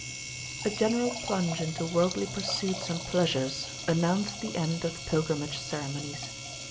A GENERAL plunge into worldly pursuits and pleasures announced the end of the pilgrimage ceremonies.